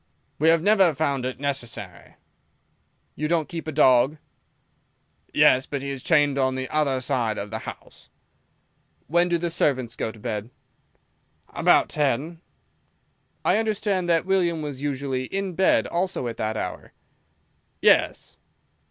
"We have never found it necessary." "You don't keep a dog?" "Yes, but he is chained on the other side of the house." "When do the servants go to bed?" "About ten." "I understand that William was usually in bed also at that hour." "Yes."